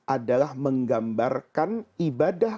adalah menggambarkan ibadah